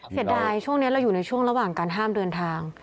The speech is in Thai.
เสียดายช่วงนี้เราอยู่ในช่วงระหว่างการห้ามเดินทาง